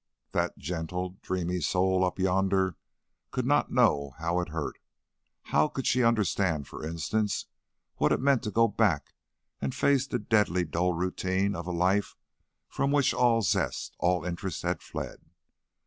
That gentle, dreamy soul up yonder could not know how it hurt. How could she understand, for instance, what it meant to go back and face the deadly dull routine of a life from which all zest, all interest, had fled?